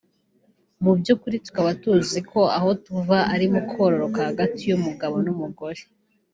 my by’ukuri tukaba tuzi aho tuva ko ari mu kororoka hagati y’umugabo n’umugore